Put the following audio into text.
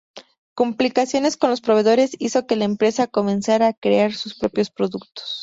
Complicaciones con los proveedores hizo que la empresa comenzara a crear sus propios productos.